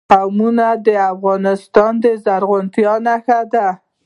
قومونه د افغانستان د زرغونتیا نښه ده.